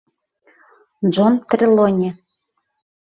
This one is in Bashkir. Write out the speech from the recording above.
Джон Трелони.